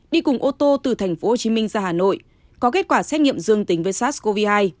đi cùng ô tô từ thành phố hồ chí minh ra hà nội có kết quả xét nghiệm dương tính với sars cov hai